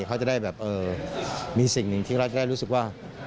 เขาจะได้แบบมีสิ่งหนึ่งที่เราจะได้รู้สึกว่า